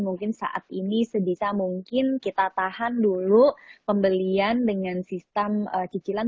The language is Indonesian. mungkin saat ini sebisa mungkin kita tahan dulu pembelian dengan sistem cicilan